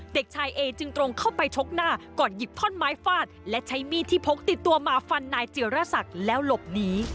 เด็กชายเอจึงตรงเข้าไปชกหน้าก่อนหยิบท่อนไม้ฟาดและใช้มีดที่พกติดตัวมาฟันนายเจียรศักดิ์แล้วหลบหนี